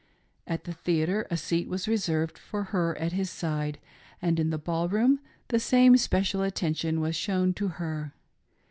At the theatre a seat was reserved for her at his side, and in the ball room the same special attention was shown to her.